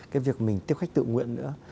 cái việc mình tiếp khách tự nguyện nữa